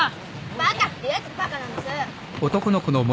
バカって言うやつがバカなんです！